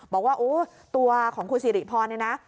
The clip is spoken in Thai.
บอกว่าโอ้ตัวของคุณสิริพรเนี่ยนะ